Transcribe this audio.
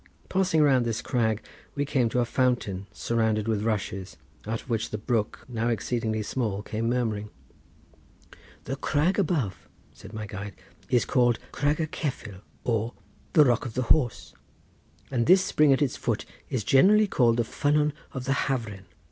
Passing round this crag we came to a fountain surrounded with rushes, out of which the brook, now exceedingly small, came murmuring. "The crag above," said my guide, "is called Crag y Cefyl, or the Rock of the Horse, and this spring at its foot is generally called the ffynnon of the Hafren.